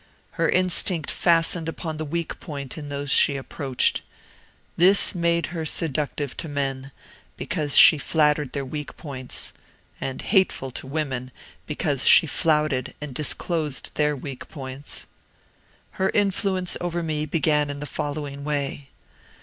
Her instinct fastened upon the weak point in those she approached. This made her seductive to men, because she flattered their weak points; and hateful to women, because she flouted and disclosed their weak points. "Her influence over me began in the following way.